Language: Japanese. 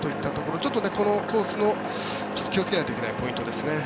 ちょっとこのコースの気をつけないといけないポイントですね。